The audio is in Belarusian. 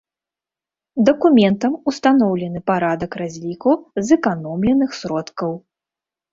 Дакументам устаноўлены парадак разліку зэканомленых сродкаў.